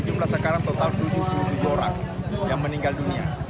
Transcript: jumlah sekarang total tujuh puluh tujuh orang yang meninggal dunia